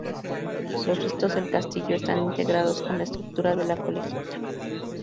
Los restos del castillo están integrados con la estructura de la colegiata.